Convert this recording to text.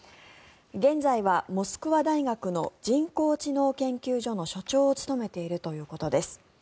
現在はモスクワ大学の人工知能研究所の所長を務めているということです。